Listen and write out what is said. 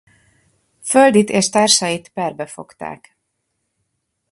Földit és társait perbe fogták.